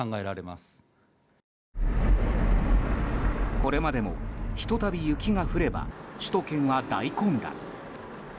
これまでも、ひと度雪が降れば首都圏は大混乱。